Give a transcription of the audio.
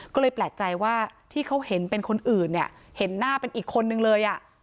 ก็เลยแปลกใจว่าที่เขาเห็นเป็นคนอื่นเนี่ยเห็นหน้าเป็นอีกคนนึงเลยอ่ะ